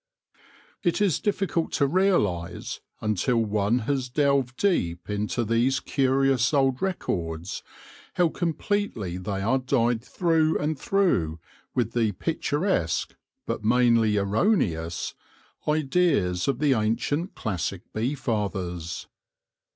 It is difficult to realise, until one has delved deep into these curious old records, how completely they are dyed through and through with the picturesque, but mainly erroneous, ideas of the ancient classic bee fathers.